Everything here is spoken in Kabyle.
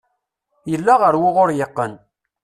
Yella ɣer wuɣur yeqqen.